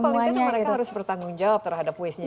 atau paling penting mereka harus bertanggung jawab terhadap wisnya